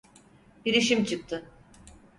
Bir işim çıktı.